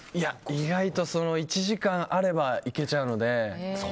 意外と１時間あれば行けちゃうので。